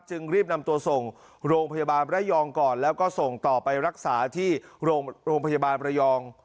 จึงรีบนำตัวส่งโรงพยาบาลระยองก่อนแล้วก็ส่งต่อไปรักษาที่โรงพยาบาลระยอง